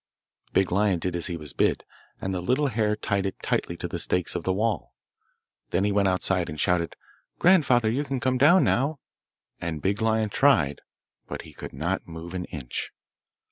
Big Lion did as he was bid, and the little hare tied it tightly to the stakes of the wall. Then he went outside and shouted, 'Grandfather, you can come down now,' and Big Lion tried, but he could not move an inch.